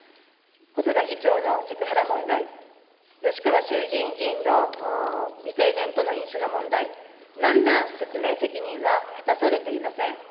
細田議長のセクハラ問題、よしかわ衆議院議員の未成年との飲酒の問題、なんら説明責任は果たされていません。